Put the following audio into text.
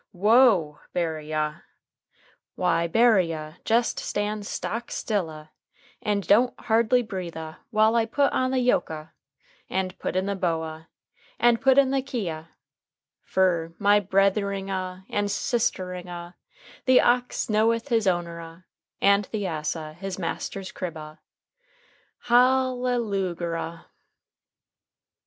Wo, Berry ah! WO, BERRY AH', why Berry ah jest stands stock still ah and don't hardly breathe ah while I put on the yoke ah, and put in the bow ah, and put in the key ah, fer, my brethering ah and sistering ah, the ox knoweth his owner ah, and the ass ah his master's crib ah. Hal le lu ger ah!